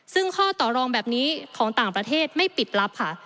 ซึ่งข้อต่อรองแบบนี้ของต่างประเทศไม่ปิดลับค่ะ